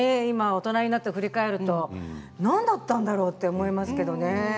大人になって振り返るとなんだったんだろう？と思いますけどね。